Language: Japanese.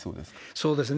そうですね。